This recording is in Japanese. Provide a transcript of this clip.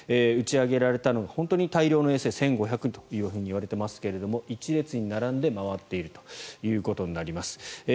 打ち上げられたのが本当に大量の衛星１５００といわれていますが一列に並んで回っているということになります。